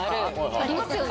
ありますよね。